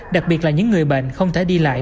đặc biệt là những người bệnh không thể đi lại